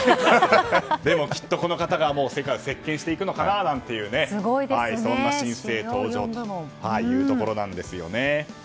でも、きっとこの方が世界を席巻していくのかななんていう新星登場というところなんです。